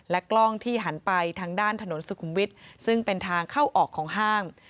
กล้องที่หันไปทางด้านถนนสุขุมวิทย์ซึ่งเป็นทางเข้าออกของห้าง